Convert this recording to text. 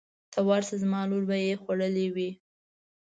ته ورشه زما لور به یې خوړلې وي.